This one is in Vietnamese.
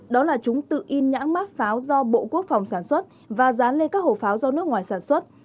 đó là chúng tự in nhãn mát pháo do bộ quốc phòng sản xuất và dán lên các hồ pháo do nước ngoài sản xuất